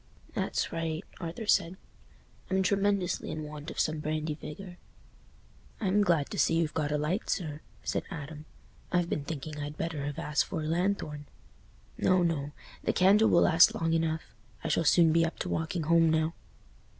"That's right," Arthur said; "I'm tremendously in want of some brandy vigour." "I'm glad to see you've got a light, sir," said Adam. "I've been thinking I'd better have asked for a lanthorn." "No, no; the candle will last long enough—I shall soon be up to walking home now."